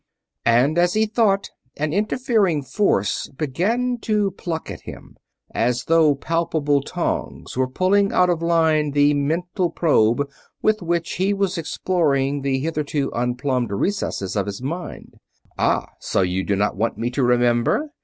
And as he thought, an interfering force began to pluck at him; as though palpable tongs were pulling out of line the mental probe with which he was exploring the hitherto unplumbed recesses of his mind. "Ah ... so you do not want me to remember?"